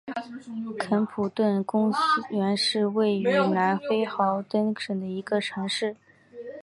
肯普顿公园是位于南非豪登省的一个城市。